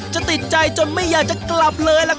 จะติดใจจนไม่อยากจะกลับเลยล่ะครับ